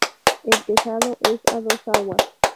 El tejado es a dos aguas.